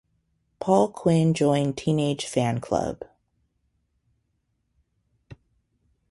Paul Quinn joined Teenage Fanclub.